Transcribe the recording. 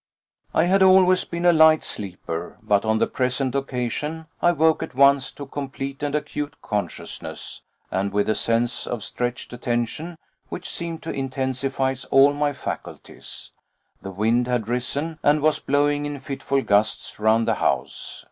I had always been a light sleeper, but on the present occasion I woke at once to complete and acute consciousness, and with a sense of stretched attention which seemed to intensify all my faculties. The wind had risen, and was blowing in fitful gusts round the house.